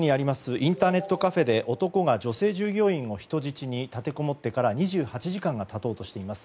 インターネットカフェで男が女性従業員を人質に立てこもってから２８時間が経とうとしています。